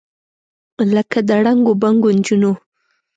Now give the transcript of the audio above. لکه د ړنګو بنګو نجونو،